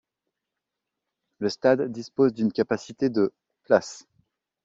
Le stade dispose d'une capacité de places.